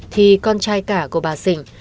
thì con trai cả của bà dình